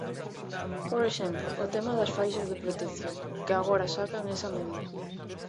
Por exemplo, o tema das faixas de protección, que agora sacan esa medida.